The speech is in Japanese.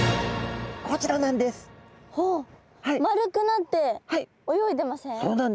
丸くなって泳いでません？